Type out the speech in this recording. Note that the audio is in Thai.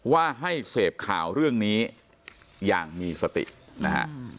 ว่าให้เสพข่าวเรื่องนี้อย่างมีสตินะฮะ